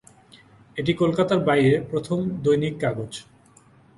এটি কলকাতার বাইরে প্রথম দৈনিককাগজ।